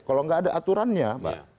kalau nggak ada aturannya mbak